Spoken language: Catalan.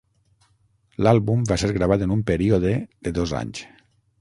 L'àlbum va ser gravat en un període de dos anys.